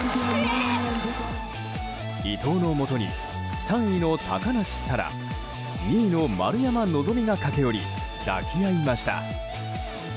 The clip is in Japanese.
伊藤のもとに３位の高梨沙羅２位の丸山希が駆け寄り抱き合いました。